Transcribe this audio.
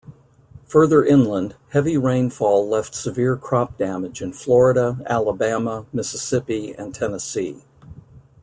Further inland, heavy rainfall left severe crop damage in Florida, Alabama, Mississippi, and Tennessee.